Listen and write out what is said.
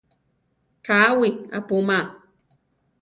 Káwi apúma.